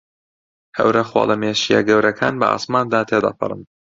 هەورە خۆڵەمێشییە گەورەکان بە ئاسماندا تێدەپەڕن.